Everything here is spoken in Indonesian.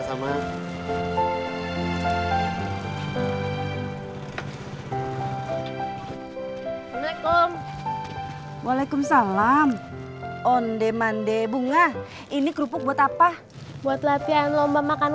assalamualaikum waalaikumsalam ondeh mandeh bunga ini kerupuk buat apa buat latihan lomba makan